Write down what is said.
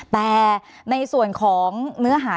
แต่ในส่วนของเนื้อหา